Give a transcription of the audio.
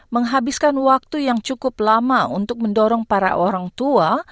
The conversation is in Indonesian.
menghabiskan waktu yang cukup lama untuk mendorong para orang tua